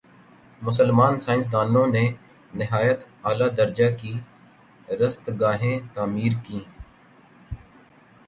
مسلمان سائنسدانوں نے نہایت عالیٰ درجہ کی رصدگاہیں تعمیر کیں